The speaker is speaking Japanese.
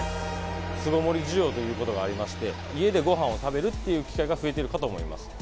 巣ごもり需要ということがありまして、家でごはんを食べるっていう機会が増えているかと思います。